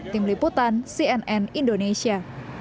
tim liputan cnn indonesia